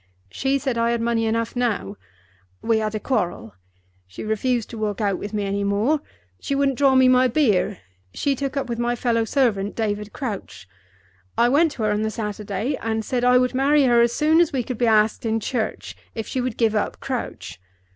She said I had money enough now. We had a quarrel. She refused to walk out with me any more; she wouldn't draw me my beer; she took up with my fellow servant, David Crouch. I went to her on the Saturday, and said I would marry her as soon as we could be asked in church if she would give up Crouch.